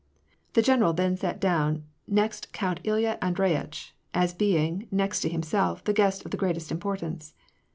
The general then sat down next Count Ilya Andreyitch, as being, next to himself, the guest of the greatest importance.